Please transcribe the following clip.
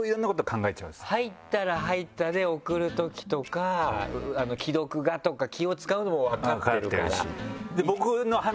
入ったら入ったで送るときとか「既読が」とか気を使うのも分かってるから。